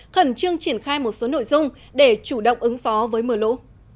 khẩn trương triển khai một số nội dung để chủ động ứng phó với mưa lũ